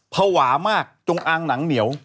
ภาวะมากจงอางหนังเหนียว